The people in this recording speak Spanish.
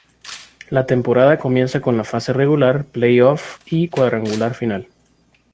La temporada comienza con la fase regular, play off, y cuadrangular final.